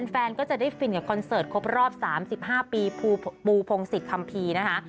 แฟนก็จะได้ฟินกับคอนเสิร์ตครบรอบ๓๕ปีปูพงศิษยคัมภีร์นะคะ